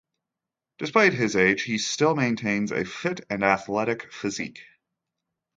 Despite his age, he still maintains a fit and athletic physique.